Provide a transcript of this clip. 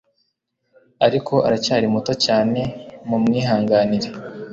ariko aracyari muto cyane mumwihanganire